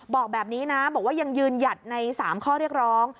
บอกแบบนี้นะบอกว่ายังยืนหยัดใน๓ข้อเรียกร้อง